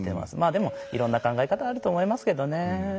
でも、いろんな考え方あると思いますけどね。